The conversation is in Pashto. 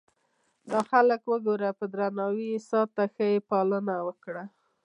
دا خلک وګوره په درناوي یې ساته ښه یې پالنه وکړه.